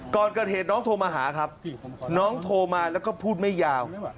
ก่อนเกิดเหตุน้องโทรมาหาครับน้องโทรมาแล้วก็พูดไม่ยาว